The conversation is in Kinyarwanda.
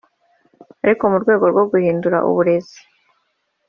ariko mu rwego rwo guhindura uburezi